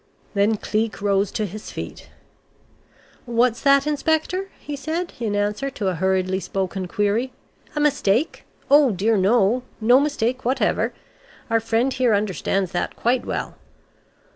Then Cleek rose to his feet. "What's that, Inspector?" he said in answer to a hurriedly spoken query. "A mistake? Oh dear, no. No mistake whatever. Our friend here understands that quite well.